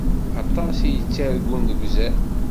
Aṭas i yettargun deg uzal.